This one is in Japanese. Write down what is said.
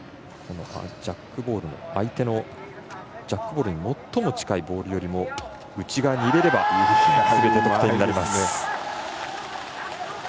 相手のジャックボールに最も近いボールよりも内側に入れればすべて得点になります。